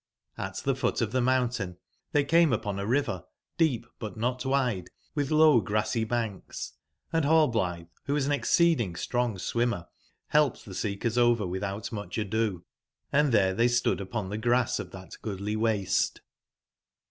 Ht the foot of the mountain they came upon a river, deep but not wide, with low grassy banks, and Rallblithe, who was an exceeding strong swimmer, helped the seekersoverwithout muchado; and there they stood upon the grass of that goodly waste.